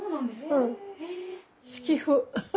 うん。